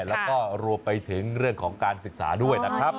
แล้วก็รวมไปถึงเรื่องของการศึกษาด้วยนะครับ